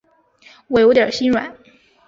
我有点心软